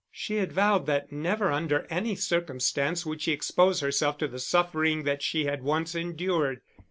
She had vowed that never under any circumstance would she expose herself to the suffering that she had once endured.